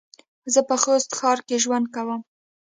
زه په خوست ښار کې ژوند کوم